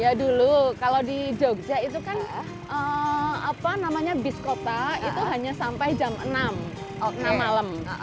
ya dulu kalau di jogja itu kan apa namanya bis kota itu hanya sampai jam enam malam